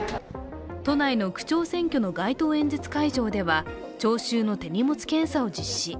都内の区長選挙の街頭演説会場では聴衆の手荷物検査を実施。